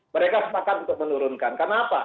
mereka setakat untuk menurunkan kenapa